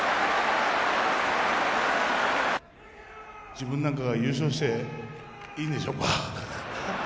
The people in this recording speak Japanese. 自分なんかが優勝していいんでしょうか。